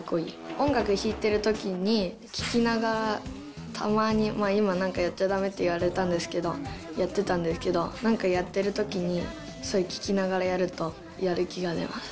音楽弾いてるときに、聴きながらたまに、今、なんかやっちゃだめって言われたんですけど、やってたんですけど、なんかやってるときに、それを聴きながらやるとやる気が出ます。